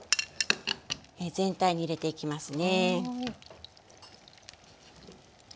全体に入れていきますね。